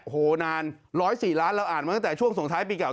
โอ้โหนาน๑๐๔ล้านเราอ่านมาตั้งแต่ช่วงสงท้ายปีเก่า